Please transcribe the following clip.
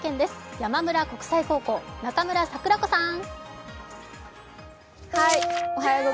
山村国際高校、中村桜子さん。